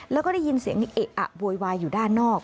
แล้วก็ได้ยินเสียงเอะอะโวยวายอยู่ด้านนอก